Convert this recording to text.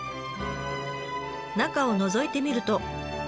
中をのぞいてみると。